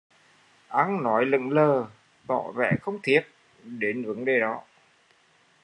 Ăn nói lững lờ, tỏ vẻ không thiết đến vấn đề đó